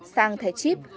sang thẻ chip